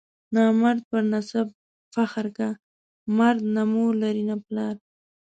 نامرد پر نسب فخر کا، مرد نه مور لري نه پلار.